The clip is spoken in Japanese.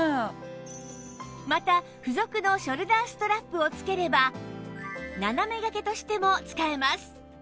また付属のショルダーストラップをつければ斜め掛けとしても使えます